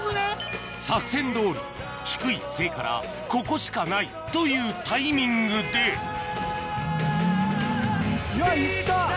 作戦どおり低い姿勢からここしかないというタイミングでいや行った。